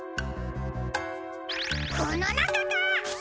このなかか？